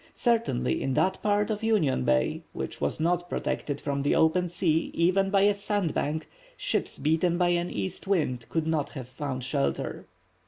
Certainly in that part of Union Bay, which was not protected from the open sea, even by a sand bank, ships beaten by an east wind could not have found shelter.